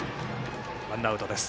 ワンアウトです。